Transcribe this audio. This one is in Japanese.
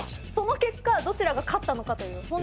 その結果どちらが勝ったのかという。